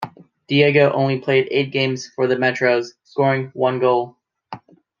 Diego only played eight games for the Metros, scoring one goal.